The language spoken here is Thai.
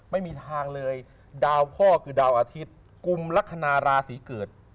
ไม่มีทางเลยดาวพ่อคือดาวอาทิตย์กุมลักษณะราศีเกิด